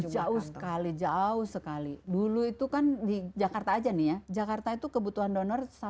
jauh sekali jauh sekali dulu itu kan di jakarta aja nih ya jakarta itu kebutuhan donor